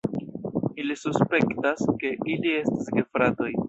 Ili suspektas, ke ili estas gefratoj.